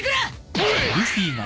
おい！